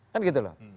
kan gitu loh